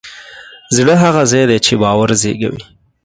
زړه هغه ځای دی چې باور زېږوي.